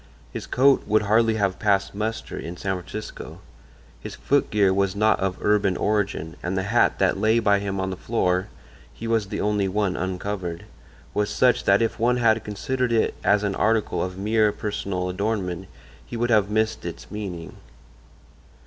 His coat would hardly have passed muster in San Francisco; his foot gear was not of urban origin, and the hat that lay by him on the floor (he was the only one uncovered) was such that if one had considered it as an article of mere personal adornment he would have missed its meaning.